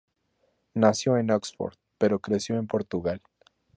Nació en Oxford pero creció en Portugal.